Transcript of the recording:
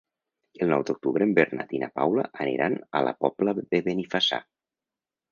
El nou d'octubre en Bernat i na Paula aniran a la Pobla de Benifassà.